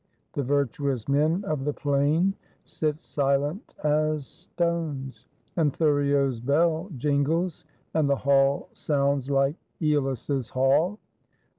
The virtuous men of the Plain sit silent as stones. And Thuriot's bell jingles, and the Hall sounds Uke ^Eolus's Hall.